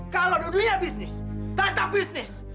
kalau di dunia bisnis tata bisnis